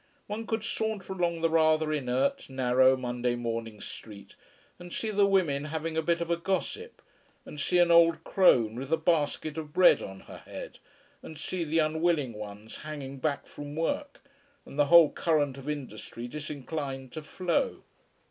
One could saunter along the rather inert, narrow, Monday morning street, and see the women having a bit of a gossip, and see an old crone with a basket of bread on her head, and see the unwilling ones hanging back from work, and the whole current of industry disinclined to flow.